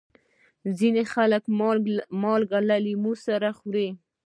ځینې خلک مالګه له لیمو سره خوري.